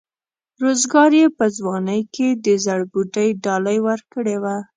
روزګار یې په ځوانۍ کې د زړبودۍ ډالۍ ورکړې وه.